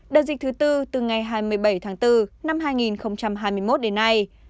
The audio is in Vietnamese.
đợt dịch thứ tư từ ngày hai mươi bảy tháng bốn năm hai nghìn hai mươi một đến nay